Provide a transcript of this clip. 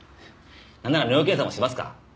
なんなら尿検査もしますか？